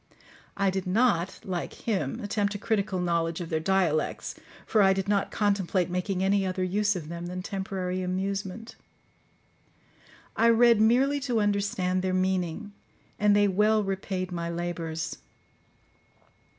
I did not, like him, attempt a critical knowledge of their dialects, for I did not contemplate making any other use of them than temporary amusement. I read merely to understand their meaning, and they well repaid my labours.